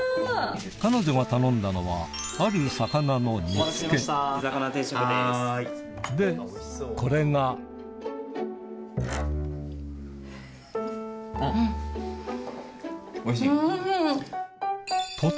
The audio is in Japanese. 彼女が頼んだのはある魚の煮付けでこれがおいしい？